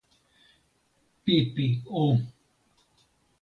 pipi o!